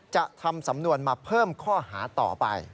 จะทำสำนวนมาเพิ่มข้อหาต่อไป